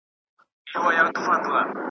پر آسمان یې کرشمې د ده لیدلای .